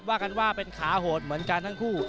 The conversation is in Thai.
ว่ากันว่าเป็นขาโหดเหมือนกันทั้งคู่